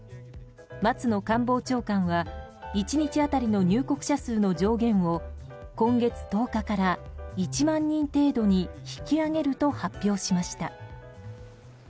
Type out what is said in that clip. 松野官房長官は１日当たりの入国者数の上限を今月１０日から１万人程度に引き上げると発表しました。